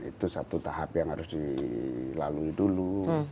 itu satu tahap yang harus dilalui dulu